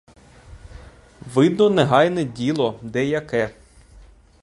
Видно, негайне діло де яке?